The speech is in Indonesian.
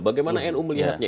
bagaimana nu melihatnya